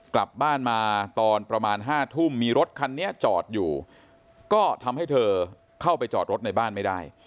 กลับบ้านมาตอนประมาณ๕ทุ่มมีรถคันนี้จอดอยู่ก็ทำให้เธอเข้าไปจอดรถในบ้านไม่ได้